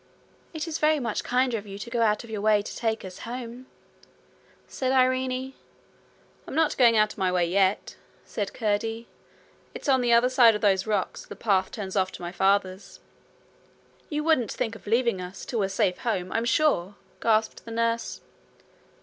'It is very much kinder of you to go out of your way to take us home,' said Irene. 'I'm not going out of my way yet,' said Curdie. 'It's on the other side of those rocks the path turns off to my father's.' 'You wouldn't think of leaving us till we're safe home, I'm sure,' gasped the nurse.